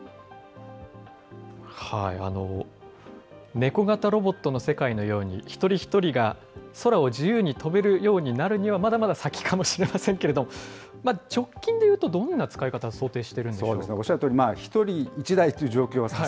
猫型ロボットの世界のように、一人一人が空を自由に飛べるようになるには、まだまだ先かもしれませんけれども、直近でいうと、どんな使い方を想定しているんでしょうか。